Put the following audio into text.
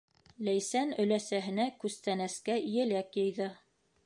Ләйсән өләсәһенә күстәнәскә еләк йыйҙы.